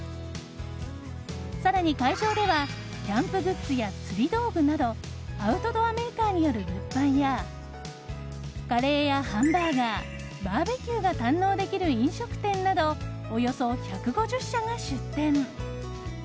更に、会場ではキャンプグッズや釣り道具などアウトドアメーカーによる物販やカレーやハンバーガーバーベキューが堪能できる飲食店などおよそ１５０社が出店。